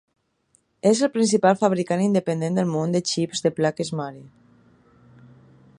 És el principal fabricant independent del món de xips de plaques mare.